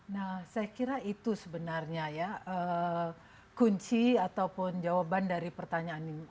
nah saya kira itu sebenarnya ya kunci ataupun jawaban dari pertanyaan ini